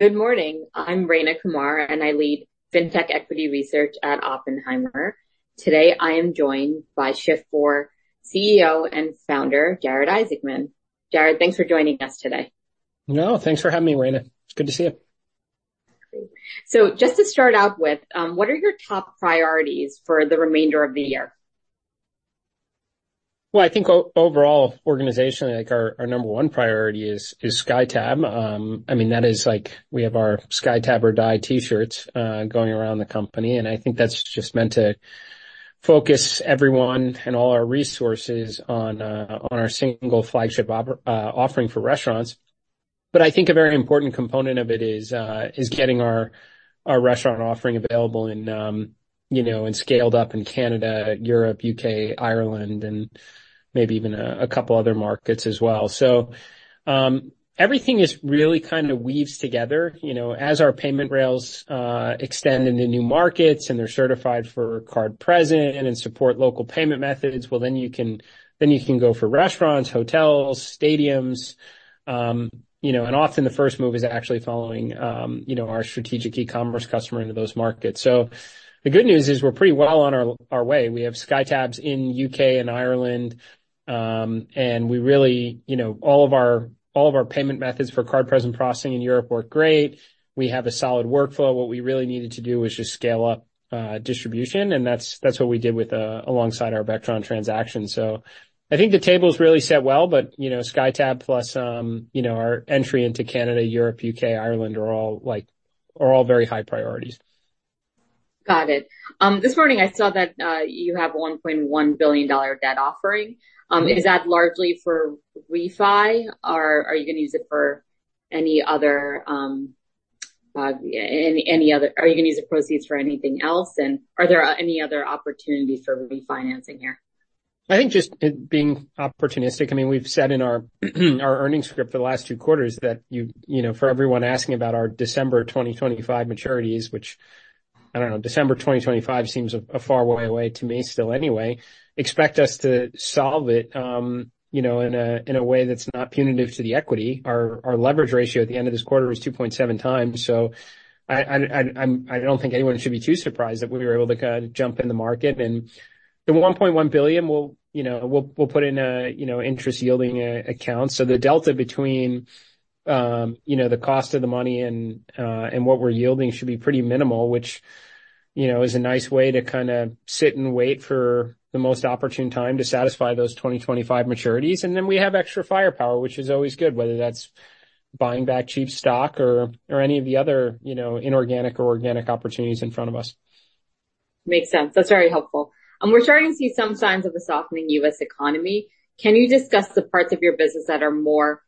Good morning. I'm Rayna Kumar, and I lead Fintech Equity Research at Oppenheimer. Today, I am joined by Shift4 CEO and Founder, Jared Isaacman. Jared, thanks for joining us today. No, thanks for having me, Rayna. It's good to see you. Great. So just to start out with, what are your top priorities for the remainder of the year? Well, I think overall, organizationally, like, our number one priority is SkyTab. I mean, that is like we have our SkyTab or Die T-shirts going around the company, and I think that's just meant to focus everyone and all our resources on our single flagship offering for restaurants. But I think a very important component of it is getting our restaurant offering available in, you know, and scaled up in Canada, Europe, U.K., Ireland, and maybe even a couple other markets as well. So, everything is really kind of weaves together, you know, as our payment rails extend into new markets, and they're certified for card present and support local payment methods, well, then you can go for restaurants, hotels, stadiums. You know, and often the first move is actually following, you know, our strategic e-commerce customer into those markets. So the good news is we're pretty well on our, our way. We have SkyTab in U.K. and Ireland, and we really, you know, all of our, all of our payment methods for card-present processing in Europe work great. We have a solid workflow. What we really needed to do was just scale up, distribution, and that's, that's what we did with, alongside our Vectron transaction. So I think the table's really set well, but, you know, SkyTab plus, you know, our entry into Canada, Europe, U.K., Ireland, are all like, are all very high priorities. Got it. This morning, I saw that you have $1.1 billion debt offering. Mm-hmm. Is that largely for refi, or are you gonna use it for any other, are you gonna use the proceeds for anything else, and are there any other opportunities for refinancing here? I think just it being opportunistic. I mean, we've said in our earnings script for the last two quarters that you know, for everyone asking about our December 2025 maturities, which I don't know, December 2025 seems a far way away to me still anyway, expect us to solve it, you know, in a way that's not punitive to the equity. Our leverage ratio at the end of this quarter was 2.7x, so I don't think anyone should be too surprised that we were able to kind of jump in the market. The $1.1 billion we'll you know, we'll put in a you know, interest-yielding account. So the delta between, you know, the cost of the money and what we're yielding should be pretty minimal, which, you know, is a nice way to kind of sit and wait for the most opportune time to satisfy those 2025 maturities. Then we have extra firepower, which is always good, whether that's buying back cheap stock or any of the other, you know, inorganic or organic opportunities in front of us. Makes sense. That's very helpful. We're starting to see some signs of a softening U.S. economy. Can you discuss the parts of your business that are more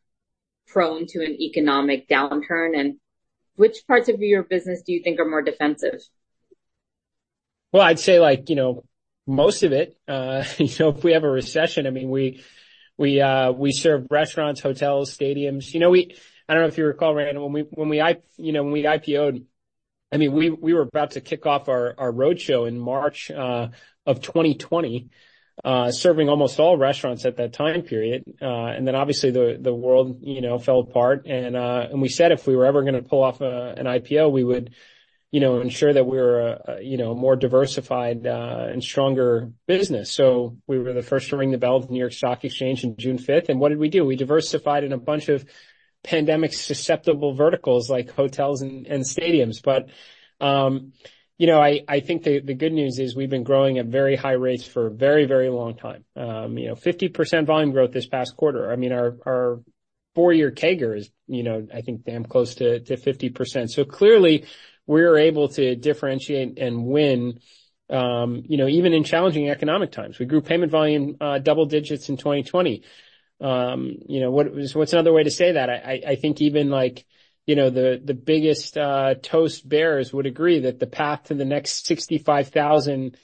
prone to an economic downturn, and which parts of your business do you think are more defensive? Well, I'd say, like, you know, most of it. You know, if we have a recession, I mean, we serve restaurants, hotels, stadiums. You know, we, I don't know if you recall, Rayna, when we, you know, when we IPO'd, I mean, we were about to kick off our roadshow in March of 2020, serving almost all restaurants at that time period. And then obviously, the world, you know, fell apart and we said if we were ever gonna pull off an IPO, we would, you know, ensure that we were a more diversified and stronger business. So we were the first to ring the bell at the New York Stock Exchange in June 5, and what did we do? We diversified in a bunch of pandemic-susceptible verticals like hotels and stadiums. But you know, I think the good news is we've been growing at very high rates for a very, very long time. You know, 50% volume growth this past quarter. I mean, our four-year CAGR is, you know, I think, damn close to 50%. So clearly, we're able to differentiate and win, you know, even in challenging economic times. We grew payment volume double digits in 2020. You know, what's another way to say that? I think even like, you know, the biggest Toast bears would agree that the path to the next 65,000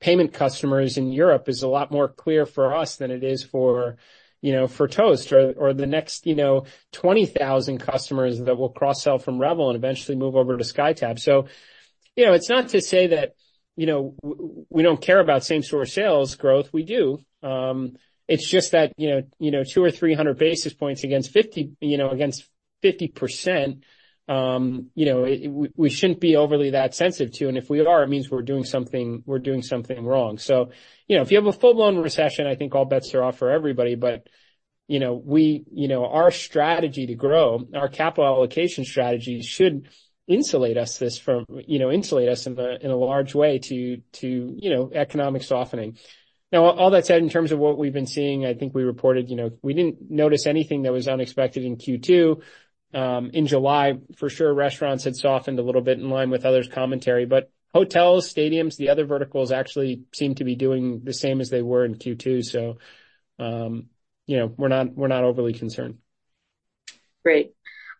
payment customers in Europe is a lot more clear for us than it is for, you know, for Toast or the next, you know, 20,000 customers that will cross-sell from Revel and eventually move over to SkyTab. So, you know, it's not to say that, you know, we don't care about same store sales growth. We do. It's just that, you know, you know, 200 or 300 basis points against 50, you know, against 50%, you know, we shouldn't be overly that sensitive to, and if we are, it means we're doing something, we're doing something wrong. So, you know, if you have a full-blown recession, I think all bets are off for everybody. But, you know, we, you know, our strategy to grow, our capital allocation strategy should insulate us this from... you know, insulate us in a, in a large way to, to, you know, economic softening. Now, all that said, in terms of what we've been seeing, I think we reported, you know, we didn't notice anything that was unexpected in Q2. In July, for sure, restaurants had softened a little bit in line with others' commentary, but hotels, stadiums, the other verticals actually seem to be doing the same as they were in Q2. So, you know, we're not, we're not overly concerned. Great.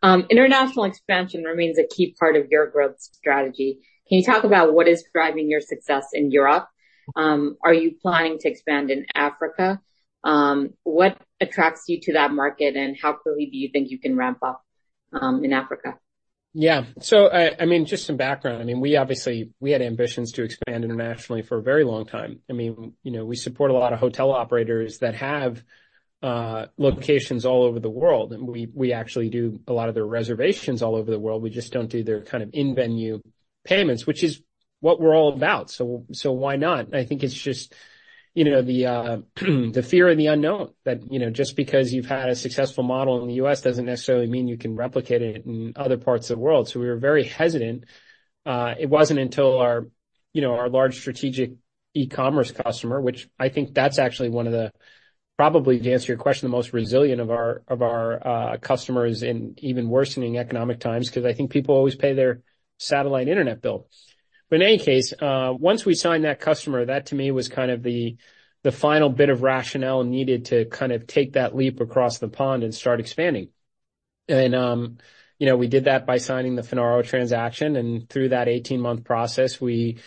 International expansion remains a key part of your growth strategy. Can you talk about what is driving your success in Europe? Are you planning to expand in Africa? What attracts you to that market, and how quickly do you think you can ramp up, in Africa? Yeah. So, I mean, just some background. I mean, we obviously—we had ambitions to expand internationally for a very long time. I mean, you know, we support a lot of hotel operators that have locations all over the world, and we actually do a lot of their reservations all over the world. We just don't do their kind of in-venue payments, which is what we're all about, so why not? I think it's just, you know, the fear of the unknown, that you know, just because you've had a successful model in the U.S. doesn't necessarily mean you can replicate it in other parts of the world. So we were very hesitant. It wasn't until our, you know, our large strategic e-commerce customer, which I think that's actually one of the—probably, to answer your question, the most resilient of our, of our, customers in even worsening economic times, 'cause I think people always pay their satellite internet bill. But in any case, once we signed that customer, that to me was kind of the, the final bit of rationale needed to kind of take that leap across the pond and start expanding. And, you know, we did that by signing the Finaro transaction, and through that 18-month process, we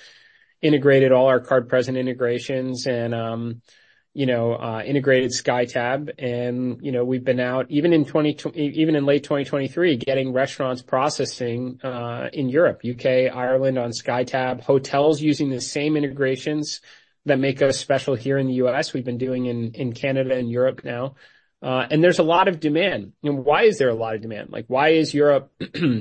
integrated all our card-present integrations and, you know, integrated SkyTab. And, you know, we've been out, even in late 2023, getting restaurants processing, in Europe, U.K., Ireland, on SkyTab. Hotels using the same integrations that make us special here in the U.S., we've been doing in Canada and Europe now. There's a lot of demand. Why is there a lot of demand? Like, why is Europe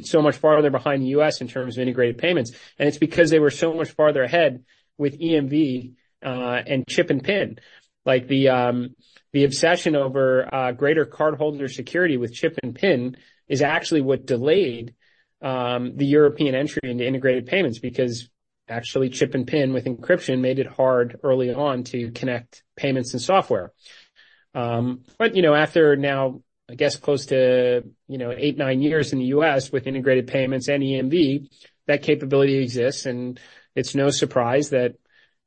so much farther behind the U.S. in terms of integrated payments? It's because they were so much farther ahead with EMV and Chip and PIN. Like, the obsession over greater cardholder security with Chip and PIN is actually what delayed the European entry into integrated payments. Because actually, Chip and PIN with encryption made it hard early on to connect payments and software. But, you know, after now, I guess, close to, you know, eight, nine years in the U.S. with integrated payments and EMV, that capability exists, and it's no surprise that,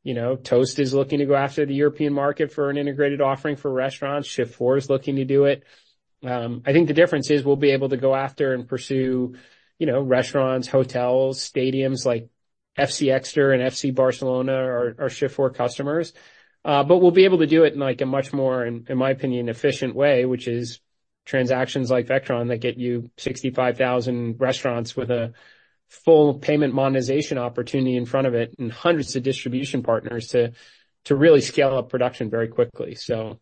you know, Toast is looking to go after the European market for an integrated offering for restaurants. Shift4 is looking to do it. I think the difference is we'll be able to go after and pursue, you know, restaurants, hotels, stadiums, like FC Exeter and FC Barcelona are Shift4 customers. But we'll be able to do it in, like, a much more, in my opinion, efficient way, which is transactions like Vectron that get you 65,000 restaurants with a full payment monetization opportunity in front of it, and hundreds of distribution partners to really scale up production very quickly. So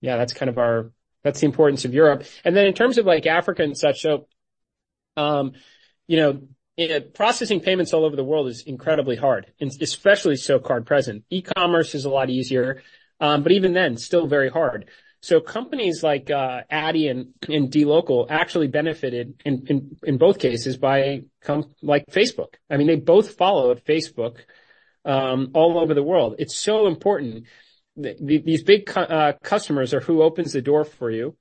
yeah, that's kind of our, that's the importance of Europe. And then in terms of, like, Africa and such, so, you know, processing payments all over the world is incredibly hard, and especially so card-present. E-commerce is a lot easier, but even then, still very hard. So companies like Adyen and Dlocal actually benefited in both cases by like Facebook. I mean, they both follow Facebook all over the world. It's so important. These big customers are who opens the door for you.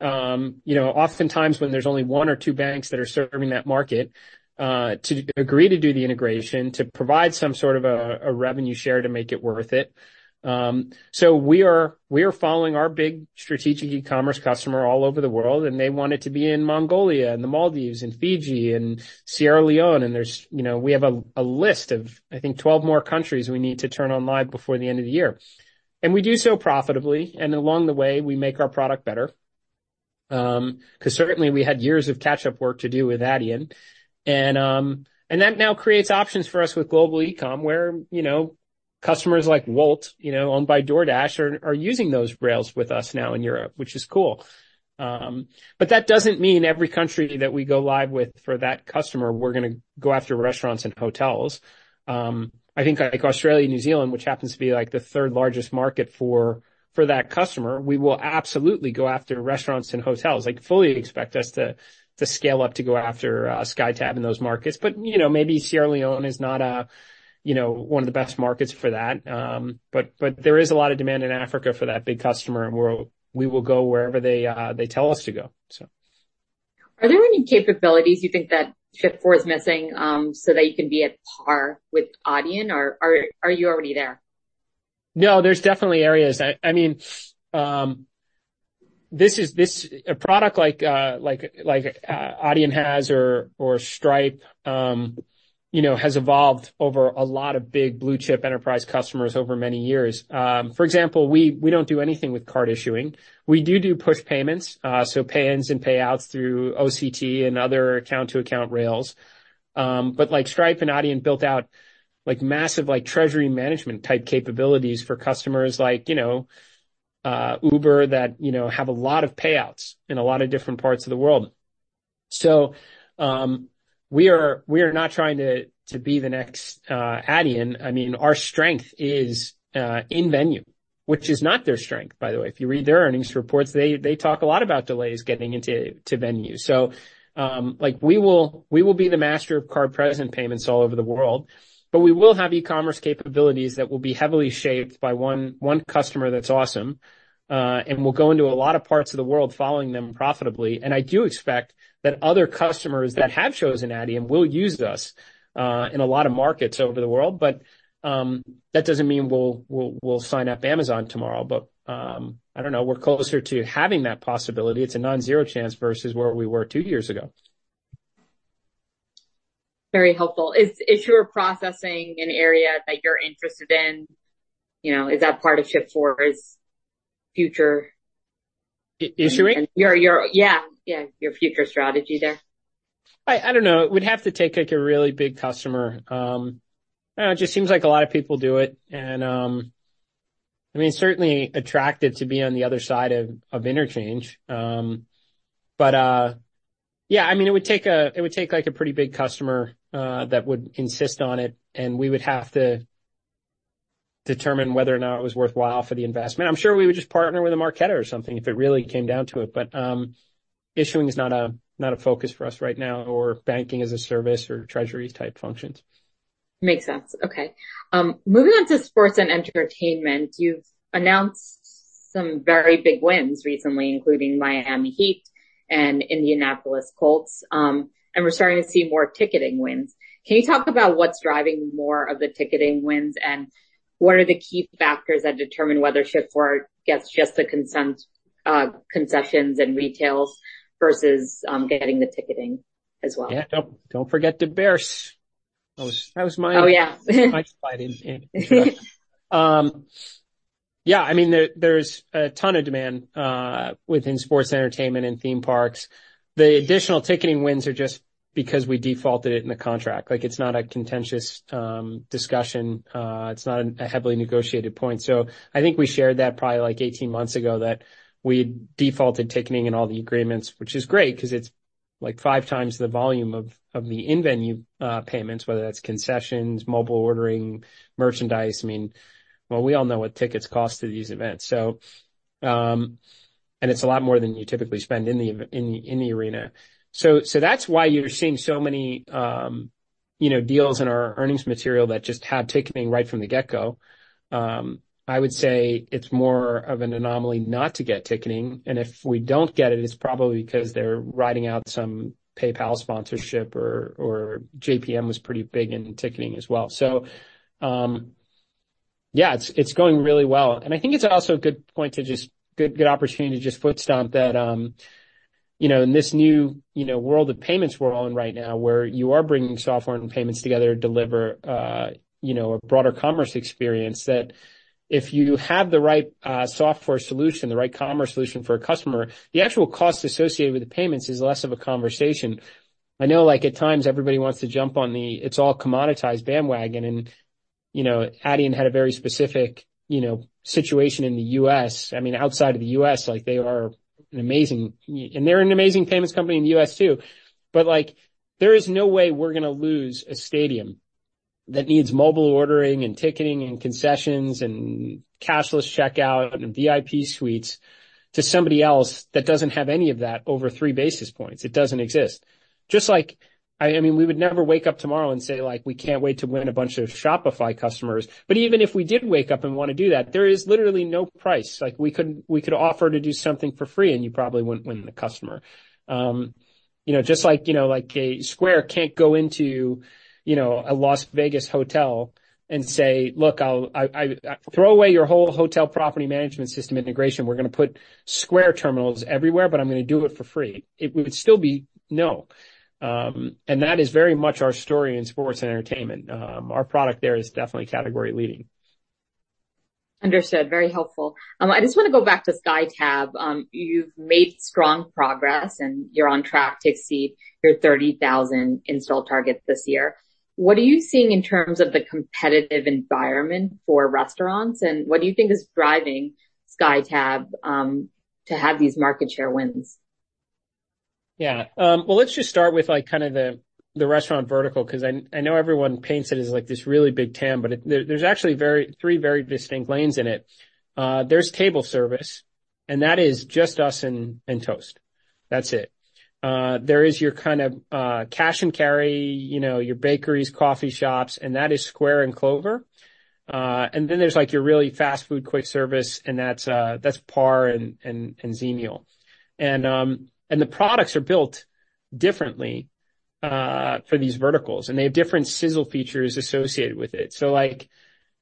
You know, oftentimes, when there's only one or two banks that are serving that market, to agree to do the integration, to provide some sort of a revenue share to make it worth it. So we are following our big strategic e-commerce customer all over the world, and they want it to be in Mongolia and the Maldives and Fiji and Sierra Leone, and there's, you know, we have a list of, I think, 12 more countries we need to turn on live before the end of the year. And we do so profitably, and along the way, we make our product better. 'Cause certainly, we had years of catch-up work to do with Adyen. And that now creates options for us with global e-com, where, you know, customers like Wolt, you know, owned by DoorDash, are using those rails with us now in Europe, which is cool. But that doesn't mean every country that we go live with for that customer, we're gonna go after restaurants and hotels. I think, like Australia and New Zealand, which happens to be, like, the third largest market for that customer, we will absolutely go after restaurants and hotels. Like, fully expect us to scale up to go after SkyTab in those markets. But, you know, maybe Sierra Leone is not a, you know, one of the best markets for that. But there is a lot of demand in Africa for that big customer, and we will go wherever they tell us to go, so. Are there any capabilities you think that Shift4 is missing, so that you can be at par with Adyen, or are you already there? No, there's definitely areas. I mean, this is a product like Adyen has or Stripe, you know, has evolved over a lot of big blue-chip enterprise customers over many years. For example, we don't do anything with card issuing. We do do push payments, so pay-ins and payouts through OCT and other account-to-account rails. But like Stripe and Adyen built out, like, massive, like, treasury management-type capabilities for customers like, you know, Uber, that, you know, have a lot of payouts in a lot of different parts of the world. So, we are not trying to be the next Adyen. I mean, our strength is in-venue, which is not their strength, by the way. If you read their earnings reports, they talk a lot about delays getting into venues. So, like, we will be the master of card-present payments all over the world, but we will have e-commerce capabilities that will be heavily shaped by one customer that's awesome, and we'll go into a lot of parts of the world following them profitably. And I do expect that other customers that have chosen Adyen will use us in a lot of markets over the world. But, that doesn't mean we'll sign up Amazon tomorrow. But, I don't know, we're closer to having that possibility. It's a non-zero chance vs where we were two years ago. Very helpful. Is your processing an area that you're interested in? You know, is that part of Shift4's future- Issuing? Yeah, yeah, your future strategy there. I don't know. It would have to take, like, a really big customer. It just seems like a lot of people do it, and I mean, certainly attracted to be on the other side of interchange. But yeah, I mean, it would take, like, a pretty big customer that would insist on it, and we would have to determine whether or not it was worthwhile for the investment. I'm sure we would just partner with a Marqeta or something if it really came down to it. But issuing is not a focus for us right now, or banking as a service or treasuries-type functions. Makes sense. Okay. Moving on to sports and entertainment, you've announced some very big wins recently, including Miami Heat and Indianapolis Colts, and we're starting to see more ticketing wins. Can you talk about what's driving more of the ticketing wins, and what are the key factors that determine whether Shift4 gets just the concessions and retail versus getting the ticketing as well? Yeah. Don't forget the Bears. That was my- Oh, yeah. Yeah, I mean, there's a ton of demand within sports, entertainment, and theme parks. The additional ticketing wins are just because we defaulted it in the contract. Like, it's not a contentious discussion. It's not a heavily negotiated point. So I think we shared that probably like 18 months ago, that we had defaulted ticketing in all the agreements, which is great, 'cause it's like 5x the volume of the in-venue payments, whether that's concessions, mobile ordering, merchandise. I mean, well, we all know what tickets cost to these events. So, and it's a lot more than you typically spend in the arena. So that's why you're seeing so many, you know, deals in our earnings material that just have ticketing right from the get-go. I would say it's more of an anomaly not to get ticketing, and if we don't get it, it's probably because they're riding out some PayPal sponsorship or JPM was pretty big in ticketing as well. So, yeah, it's going really well. And I think it's also a good point to just foot stomp that, you know, in this new, you know, world of payments we're all in right now, where you are bringing software and payments together to deliver, you know, a broader commerce experience, that if you have the right software solution, the right commerce solution for a customer, the actual cost associated with the payments is less of a conversation. I know, like, at times, everybody wants to jump on the it's all commoditized bandwagon, and, you know, Adyen had a very specific, you know, situation in the U.S. I mean, outside of the U.S., like, they are an amazing... And they're an amazing payments company in the U.S., too. But, like, there is no way we're gonna lose a stadium that needs mobile ordering and ticketing and concessions and cashless checkout and VIP suites to somebody else that doesn't have any of that over three basis points. It doesn't exist. Just like, I, I mean, we would never wake up tomorrow and say, like, "We can't wait to win a bunch of Shopify customers." But even if we did wake up and wanna do that, there is literally no price. Like, we couldn't, we could offer to do something for free, and you probably wouldn't win the customer. You know, just like, you know, like a Square can't go into, you know, a Las Vegas hotel and say, "Look, I'll throw away your whole hotel property management system integration. We're gonna put Square terminals everywhere, but I'm gonna do it for free." It would still be no. And that is very much our story in sports and entertainment. Our product there is definitely category leading. Understood. Very helpful. I just wanna go back to SkyTab. You've made strong progress, and you're on track to exceed your 30,000 install target this year. What are you seeing in terms of the competitive environment for restaurants, and what do you think is driving SkyTab to have these market share wins? Yeah. Well, let's just start with, like, kind of the restaurant vertical, 'cause I know everyone paints it as, like, this really big TAM, but it... There's actually three very distinct lanes in it. There's table service, and that is just us and Toast. That's it. There is your kind of cash and carry, you know, your bakeries, coffee shops, and that is Square and Clover. And then there's, like, your really fast food, quick service, and that's Par and Xenial. And the products are built differently for these verticals, and they have different sizzle features associated with it. Like,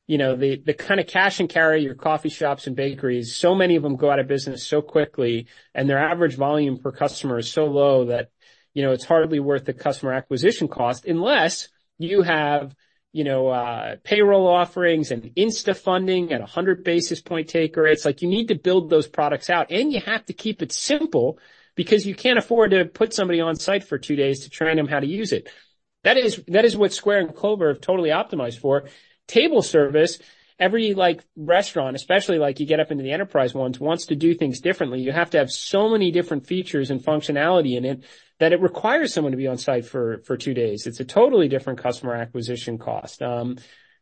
you know, the kind of cash and carry, your coffee shops and bakeries, so many of them go out of business so quickly, and their average volume per customer is so low that, you know, it's hardly worth the customer acquisition cost, unless you have, you know, payroll offerings and insta-funding at a 100 basis point take rate. It's like, you need to build those products out, and you have to keep it simple because you can't afford to put somebody on site for two days to train them how to use it. That is what Square and Clover have totally optimized for. Table service, every, like, restaurant, especially, like, you get up into the enterprise ones, wants to do things differently. You have to have so many different features and functionality in it, that it requires someone to be on site for two days. It's a totally different customer acquisition cost.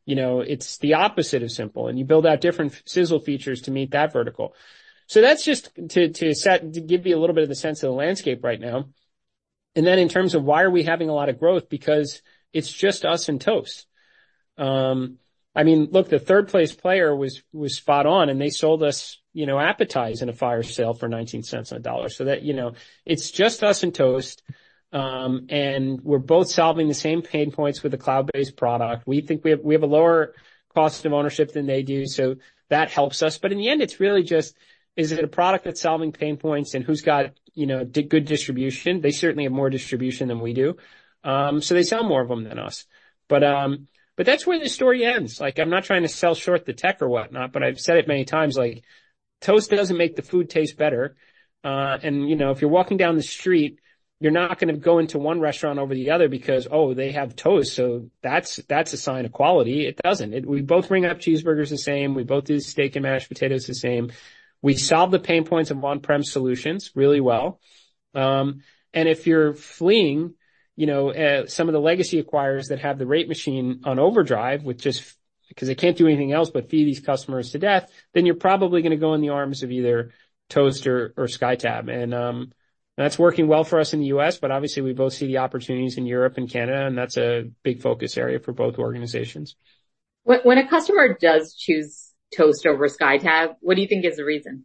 You know, it's the opposite of simple, and you build out different sizzle features to meet that vertical. So that's just to set to give you a little bit of the sense of the landscape right now. And then in terms of why are we having a lot of growth, because it's just us and Toast. I mean, look, the third-place player was SpotOn, and they sold us, you know, Appetize in a fire sale for $0.19 on the dollar. So that, you know, it's just us and Toast, and we're both solving the same pain points with a cloud-based product. We think we have, we have a lower cost of ownership than they do, so that helps us. But in the end, it's really just, is it a product that's solving pain points, and who's got, you know, the good distribution? They certainly have more distribution than we do. So they sell more of them than us. But, but that's where the story ends. Like, I'm not trying to sell short the tech or whatnot, but I've said it many times, like, Toast doesn't make the food taste better. And, you know, if you're walking down the street, you're not gonna go into one restaurant over the other because, oh, they have Toast, so that's, that's a sign of quality. It doesn't. It, we both ring up cheeseburgers the same. We both do steak and mashed potatoes the same. We solve the pain points of on-prem solutions really well. If you're fleeing, you know, some of the legacy acquirers that have the rate machine on overdrive, which is because they can't do anything else but feed these customers to death, then you're probably gonna go in the arms of either Toast or, or SkyTab. That's working well for us in the U.S., but obviously, we both see the opportunities in Europe and Canada, and that's a big focus area for both organizations. When a customer does choose Toast over SkyTab, what do you think is the reason?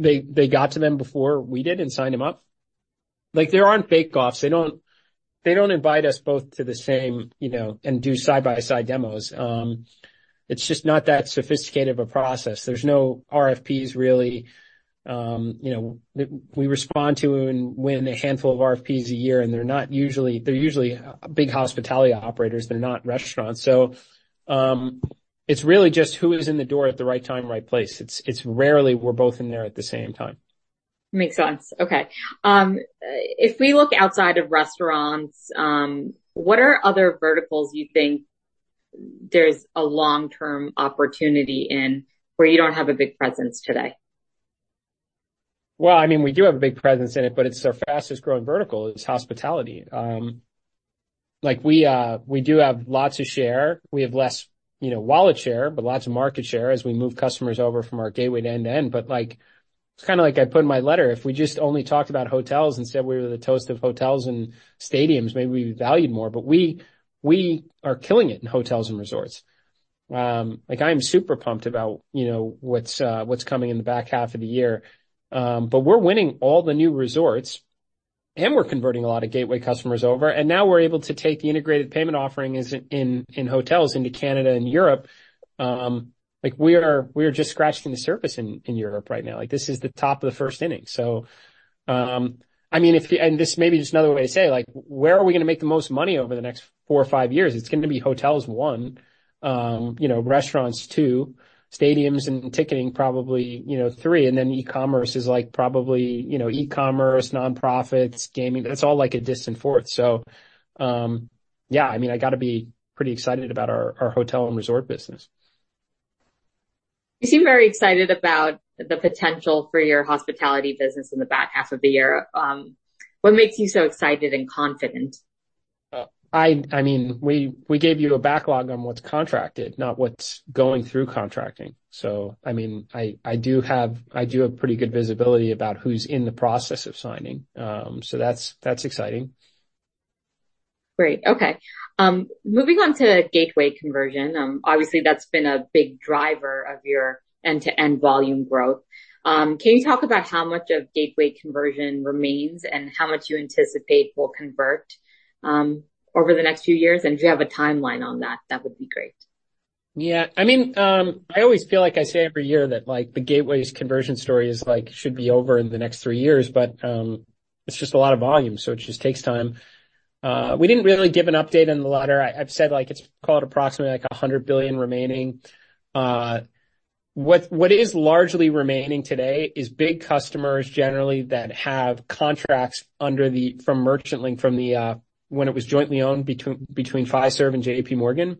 They got to them before we did and signed them up. Like, there aren't bake-offs. They don't invite us both to the same, you know, and do side-by-side demos. It's just not that sophisticated of a process. There's no RFPs, really. You know, we respond to and win a handful of RFPs a year, and they're not usually. They're usually big hospitality operators. They're not restaurants. So, it's really just who is in the door at the right time, right place. It's rarely we're both in there at the same time. Makes sense. Okay. If we look outside of restaurants, what are other verticals you think there's a long-term opportunity in, where you don't have a big presence today? Well, I mean, we do have a big presence in it, but it's our fastest-growing vertical, is hospitality. Like, we do have lots of share. We have less, you know, wallet share, but lots of market share as we move customers over from our gateway to end-to-end. But, like, it's kind of like I put in my letter, if we just only talked about hotels, instead, we were the Toast of hotels and stadiums, maybe we'd be valued more. But we are killing it in hotels and resorts. Like, I am super pumped about, you know, what's coming in the back half of the year. But we're winning all the new resorts, and we're converting a lot of gateway customers over, and now we're able to take the integrated payment offerings in hotels into Canada and Europe. Like, we are just scratching the surface in Europe right now. Like, this is the top of the first inning. So, I mean, if you... And this may be just another way to say, like, where are we gonna make the most money over the next four or five years? It's going to be hotels, one, you know, restaurants, two, stadiums and ticketing, probably, you know, three, and then e-commerce is, like, probably, you know, e-commerce, nonprofits, gaming. It's all, like, a distant fourth. So, yeah, I mean, I got to be pretty excited about our hotel and resort business. You seem very excited about the potential for your hospitality business in the back half of the year. What makes you so excited and confident? I mean, we gave you a backlog on what's contracted, not what's going through contracting. So, I mean, I do have pretty good visibility about who's in the process of signing. So that's exciting. Great, okay. Moving on to gateway conversion, obviously, that's been a big driver of your end-to-end volume growth. Can you talk about how much of gateway conversion remains and how much you anticipate will convert over the next few years? And if you have a timeline on that, that would be great. Yeah. I mean, I always feel like I say every year that, like, the gateways conversion story is, like, should be over in the next three years, but it's just a lot of volume, so it just takes time. We didn't really give an update on the latter. I've said, like, it's called approximately, like, a $100 billion remaining. What is largely remaining today is big customers generally that have contracts from Merchant Link, from the, when it was jointly owned between Fiserv and JPMorgan,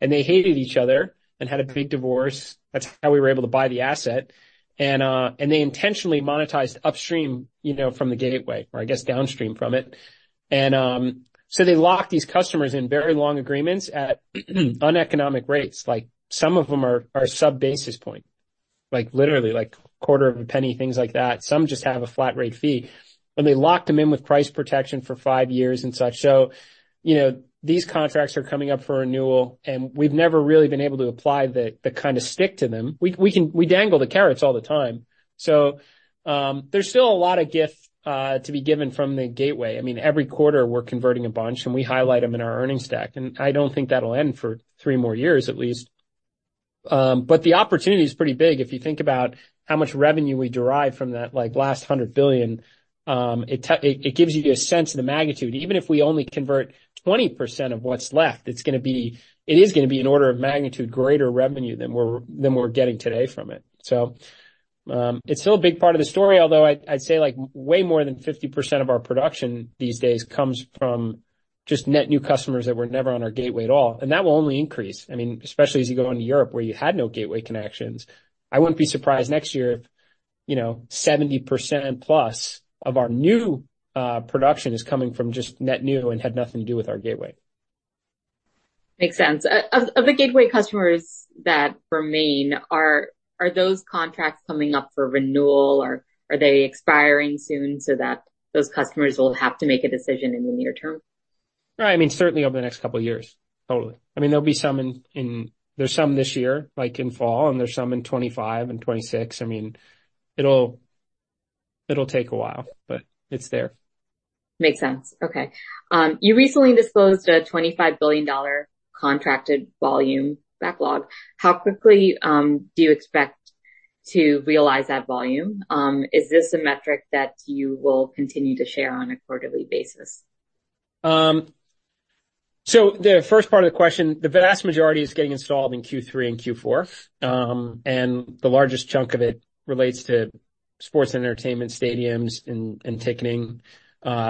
and they hated each other and had a big divorce. That's how we were able to buy the asset. And they intentionally monetized upstream, you know, from the gateway, or I guess, downstream from it. So they locked these customers in very long agreements at uneconomic rates. Like, some of them are sub-basis point, like, literally, like, $0.0025, things like that. Some just have a flat-rate fee. And they locked them in with price protection for five years and such. So, you know, these contracts are coming up for renewal, and we've never really been able to apply the kind of stick to them. We can dangle the carrots all the time. So, there's still a lot of gift to be given from the gateway. I mean, every quarter, we're converting a bunch, and we highlight them in our earnings deck, and I don't think that'll end for three more years, at least. But the opportunity is pretty big. If you think about how much revenue we derive from that, like, last $100 billion, it gives you a sense of the magnitude. Even if we only convert 20% of what's left, it's gonna be, it is gonna be an order of magnitude greater revenue than we're, than we're getting today from it. So, it's still a big part of the story, although I, I'd say, like, way more than 50% of our production these days comes from just net new customers that were never on our gateway at all, and that will only increase. I mean, especially as you go into Europe, where you had no gateway connections. I wouldn't be surprised next year if, you know, 70%+ of our new production is coming from just net new and had nothing to do with our gateway. Makes sense. Of the gateway customers that remain, are those contracts coming up for renewal, or are they expiring soon so that those customers will have to make a decision in the near term? Right. I mean, certainly over the next couple of years, totally. I mean, there'll be some... There's some this year, like in fall, and there's some in 2025 and 2026. I mean, it'll take a while, but it's there. Makes sense. Okay. You recently disclosed a $25 billion contracted volume backlog. How quickly do you expect to realize that volume? Is this a metric that you will continue to share on a quarterly basis?... So the first part of the question, the vast majority is getting installed in Q3 and Q4, and the largest chunk of it relates to sports and entertainment stadiums and ticketing.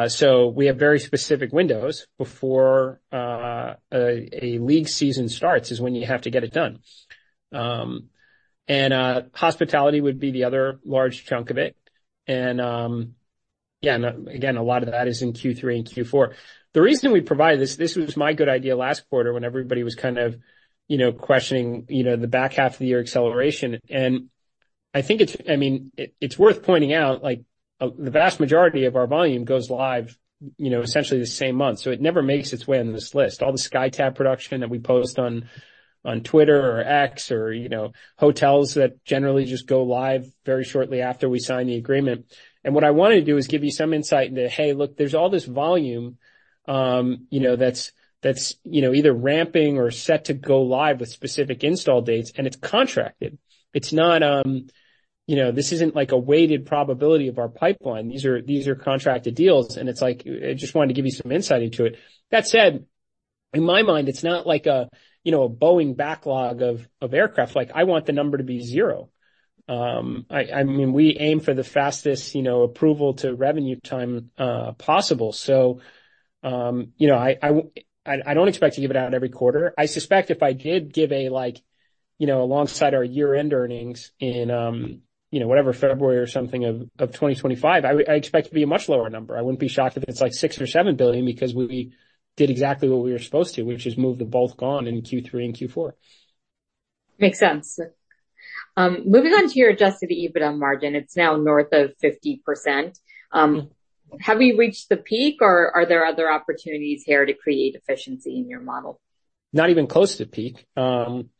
So we have very specific windows before a league season starts, is when you have to get it done. And hospitality would be the other large chunk of it. And yeah, and again, a lot of that is in Q3 and Q4. The reason we provide this, this was my good idea last quarter when everybody was kind of, you know, questioning, you know, the back half of the year acceleration. And I think it's-- I mean, it, it's worth pointing out, like, the vast majority of our volume goes live, you know, essentially the same month, so it never makes its way on this list. All the SkyTab production that we post on, on Twitter or X or, you know, hotels that generally just go live very shortly after we sign the agreement. And what I wanted to do is give you some insight into, hey, look, there's all this volume, you know, that's, you know, either ramping or set to go live with specific install dates, and it's contracted. It's not, you know, this isn't like a weighted probability of our pipeline. These are contracted deals, and it's like... I just wanted to give you some insight into it. That said, in my mind, it's not like a, you know, a Boeing backlog of aircraft. Like, I want the number to be zero. I mean, we aim for the fastest, you know, approval to revenue time possible. So, you know, I don't expect to give it out every quarter. I suspect if I did give a, like, you know, alongside our year-end earnings in, you know, whatever, February or something of 2025, I expect it to be a much lower number. I wouldn't be shocked if it's like $6-$7 billion, because we did exactly what we were supposed to, which is move to both gone in Q3 and Q4. Makes sense. Moving on to your adjusted EBITDA margin, it's now north of 50%. Have you reached the peak, or are there other opportunities here to create efficiency in your model? Not even close to the peak. I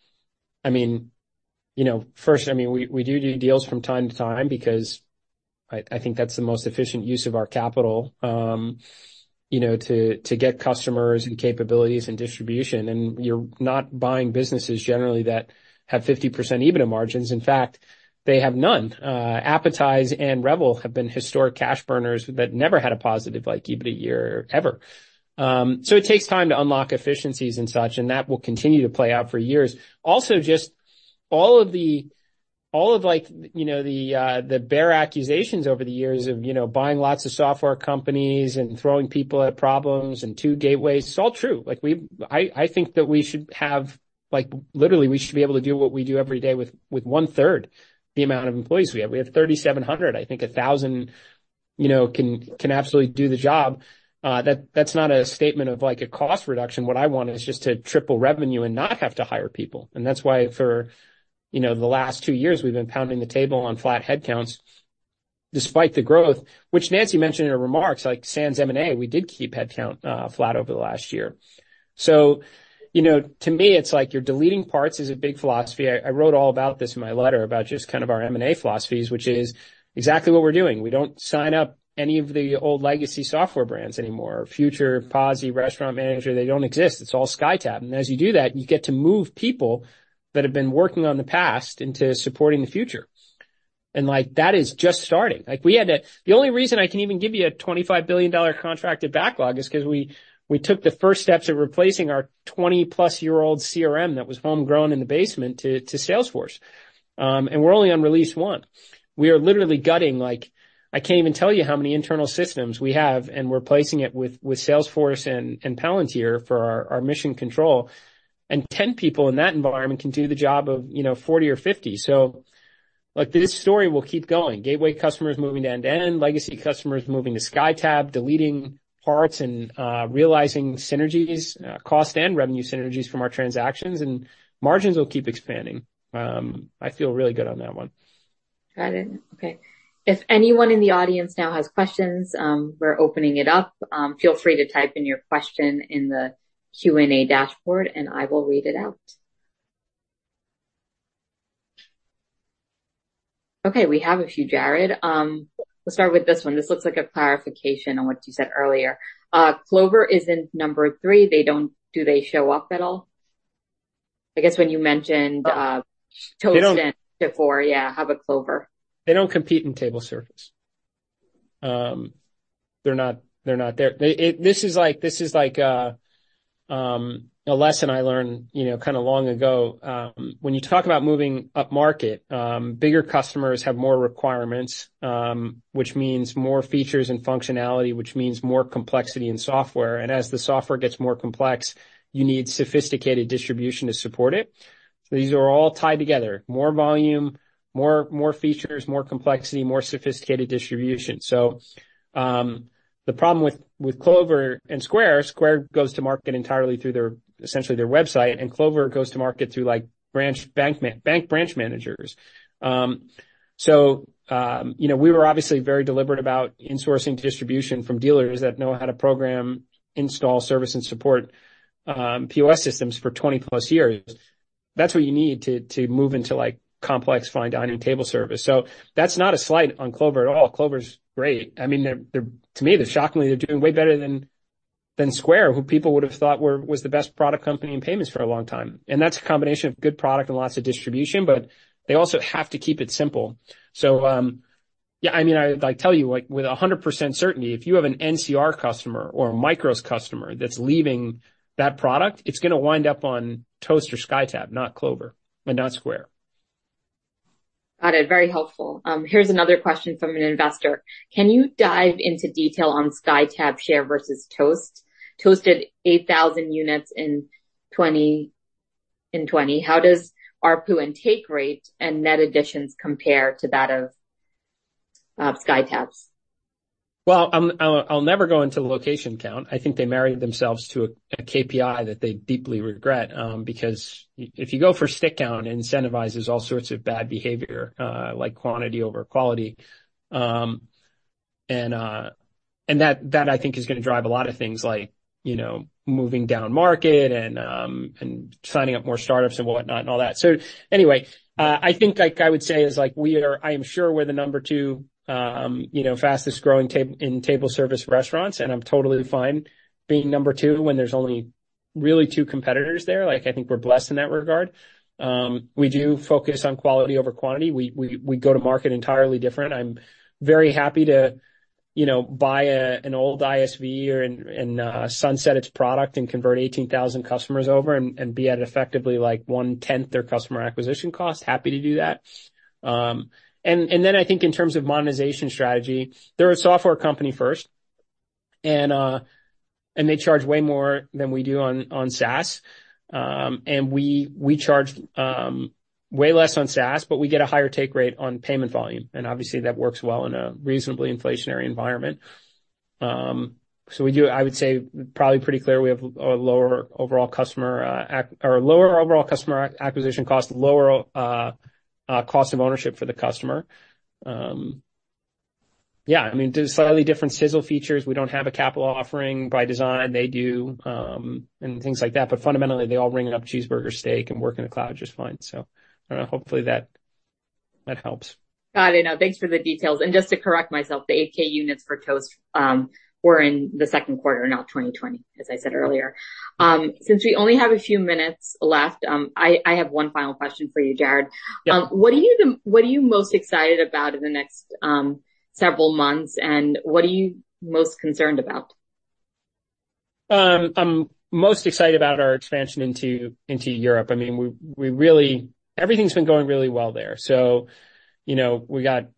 mean, you know, first, I mean, we do do deals from time to time because I think that's the most efficient use of our capital, you know, to get customers and capabilities and distribution. You're not buying businesses generally that have 50% EBITDA margins. In fact, they have none. Appetize and Revel have been historic cash burners that never had a positive, like, EBITDA year ever. So it takes time to unlock efficiencies and such, and that will continue to play out for years. Also, just all of the, all of, like, you know, the bear accusations over the years of, you know, buying lots of software companies and throwing people at problems and two gateways, it's all true. Like, I think that we should have like, literally, we should be able to do what we do every day with, with one third the amount of employees we have. We have 3,700. I think 1,000, you know, can absolutely do the job. That, that's not a statement of, like, a cost reduction. What I want is just to triple revenue and not have to hire people, and that's why for, you know, the last two years, we've been pounding the table on flat headcounts despite the growth, which Nancy mentioned in her remarks, like sans M&A, we did keep headcount flat over the last year. So, you know, to me, it's like you're deleting parts is a big philosophy. I wrote all about this in my letter, about just kind of our M&A philosophies, which is exactly what we're doing. We don't sign up any of the old legacy software brands anymore. Future POS, Restaurant Manager, they don't exist. It's all SkyTab. And as you do that, you get to move people that have been working on the past into supporting the future. And, like, that is just starting. Like, we had to. The only reason I can even give you a $25 billion contracted backlog is 'cause we, we took the first steps of replacing our 20+-year-old CRM that was homegrown in the basement to, to Salesforce. And we're only on release one. We are literally gutting, like, I can't even tell you how many internal systems we have, and we're replacing it with, with Salesforce and, and Palantir for our, our mission control. And 10 people in that environment can do the job of, you know, 40 or 50. So, like, this story will keep going. Gateway customers moving to end-to-end, legacy customers moving to SkyTab, deleting parts, and realizing synergies, cost and revenue synergies from our transactions, and margins will keep expanding. I feel really good on that one. Got it. Okay. If anyone in the audience now has questions, we're opening it up. Feel free to type in your question in the Q&A dashboard, and I will read it out. Okay, we have a few, Jared. Let's start with this one. This looks like a clarification on what you said earlier. Clover is in number three. They don't. Do they show up at all? I guess when you mentioned, Toast and before, yeah, how about Clover? They don't compete in table service. They're not there. It, this is like a lesson I learned, you know, kind of long ago. When you talk about moving upmarket, bigger customers have more requirements, which means more features and functionality, which means more complexity in software. And as the software gets more complex, you need sophisticated distribution to support it. These are all tied together: more volume, more features, more complexity, more sophisticated distribution. So, the problem with Clover and Square, Square goes to market entirely through their, essentially their website, and Clover goes to market through, like, branch bank man- bank branch managers. So, you know, we were obviously very deliberate about insourcing distribution from dealers that know how to program, install, service, and support POS systems for 20+ years. That's what you need to, to move into, like, complex fine dining table service. So that's not a slight on Clover at all. Clover's great. I mean, they're, they're—to me, they're shockingly, they're doing way better than, than Square, who people would have thought were, was the best product company in payments for a long time. And that's a combination of good product and lots of distribution, but they also have to keep it simple. So, yeah, I mean, I, like, tell you, like, with 100% certainty, if you have an NCR customer or a MICROS customer that's leaving that product, it's gonna wind up on Toast or SkyTab, not Clover and not Square. Got it. Very helpful. Here's another question from an investor: Can you dive into detail on SkyTab share versus Toast? Toast did 8,000 units in 2020. How does ARPU and take rate and net additions compare to that of SkyTab's? Well, I'll never go into the location count. I think they married themselves to a KPI that they deeply regret, because if you go for site count, it incentivizes all sorts of bad behavior, like quantity over quality. And that, I think, is gonna drive a lot of things like, you know, moving down market and signing up more startups and whatnot and all that. So anyway, I think, like I would say, is like we are—I am sure we're the number two, you know, fastest growing in table service restaurants, and I'm totally fine being number two when there's only really two competitors there. Like, I think we're blessed in that regard. We do focus on quality over quantity. We go to market entirely different. I'm very happy to, you know, buy an old ISV or sunset its product and convert 18,000 customers over and be at effectively, like, 1/10 their customer acquisition cost. Happy to do that. Then I think in terms of monetization strategy, they're a software company first, and they charge way more than we do on SaaS. And we charge way less on SaaS, but we get a higher take rate on payment volume, and obviously, that works well in a reasonably inflationary environment. So we do. I would say probably pretty clear we have a lower overall customer acquisition cost, or lower cost of ownership for the customer. Yeah, I mean, there's slightly different sizzle features. We don't have a capital offering by design. They do, and things like that, but fundamentally, they all ring it up cheeseburger, steak, and work in the cloud just fine. So I don't know. Hopefully that helps. Got it. No, thanks for the details. And just to correct myself, the 8K units for Toast were in the second quarter, not 2020, as I said earlier. Since we only have a few minutes left, I have one final question for you, Jared. Yeah. What are you most excited about in the next several months, and what are you most concerned about? I'm most excited about our expansion into Europe. I mean, we really... Everything's been going really well there. So, you know, we got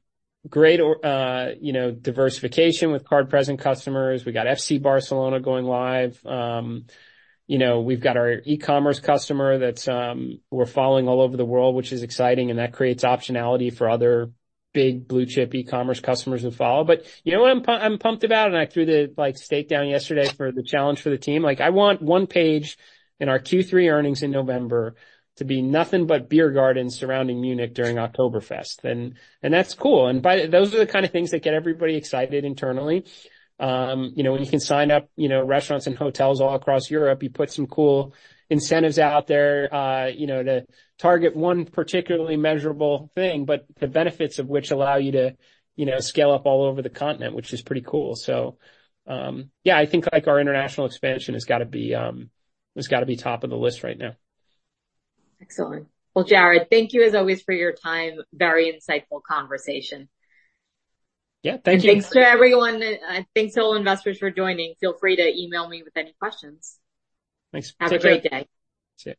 great, you know, diversification with card-present customers. We got FC Barcelona going live. You know, we've got our e-commerce customer that's, we're following all over the world, which is exciting, and that creates optionality for other big blue-chip e-commerce customers who follow. But you know what I'm pumped about, and I threw the, like, stake down yesterday for the challenge for the team? Like, I want one page in our Q3 earnings in November to be nothing but beer gardens surrounding Munich during Oktoberfest, and that's cool. Those are the kind of things that get everybody excited internally. You know, when you can sign up, you know, restaurants and hotels all across Europe, you put some cool incentives out there, you know, to target one particularly measurable thing, but the benefits of which allow you to, you know, scale up all over the continent, which is pretty cool. So, yeah, I think, like, our international expansion has gotta be, has gotta be top of the list right now. Excellent. Well, Jared, thank you, as always, for your time. Very insightful conversation. Yeah. Thank you. Thanks to everyone. Thanks to all investors for joining. Feel free to email me with any questions. Thanks. Have a great- Have a great day. See you.